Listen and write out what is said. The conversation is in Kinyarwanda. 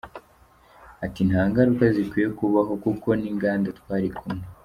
Ati “Nta ngaruka zikwiye kubaho kuko n’inganda twari kumwe.